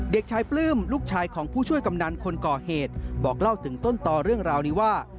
เด็กชายปลื้มลูกชายของผู้ช่วยกำนันคนก่อเหตุบอกเล่าถึงต้นต่อเรื่องราวนี้ว่า